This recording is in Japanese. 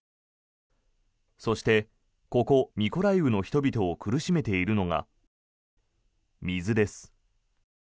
そして、ここミコライウの人々を苦しめているのが水です。